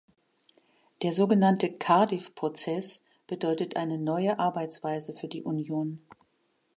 Der so genannte Cardiff-Prozess bedeutet eine neue Arbeitsweise für die Union.